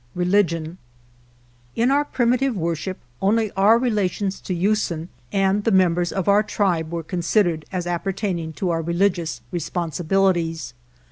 206 CHAPTER XXII RELIGION IN our primitive worship only our rela tions to Usen and the members of our tribe were considered as appertaining to our religious responsibilities.